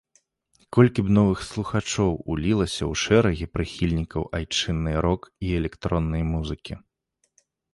Колькі б новых слухачоў улілася ў шэрагі прыхільнікаў айчыннай рок- і электроннай музыкі!